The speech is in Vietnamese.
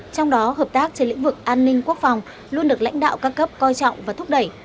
trong đó hợp tác trên lĩnh vực an ninh quốc phòng luôn được lãnh đạo các cấp coi trọng và thúc đẩy